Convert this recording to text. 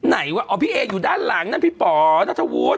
ไหนวะอ๋อพี่เออยู่ด้านหลังนั่นพี่ป๋อนัทธวุฒิ